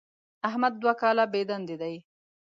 احمد دوه کاله بېدندې دی.